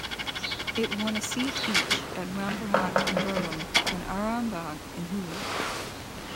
It won a seat each at Rampurhat in Birbhum and Arambagh in Hooghly.